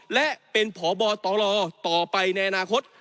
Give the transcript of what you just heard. และเป็นพบตรต่อไปในอนาคต